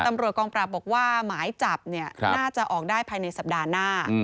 ตำรวจกองปราบบอกว่าหมายจับเนี่ยน่าจะออกได้ภายในสัปดาห์หน้า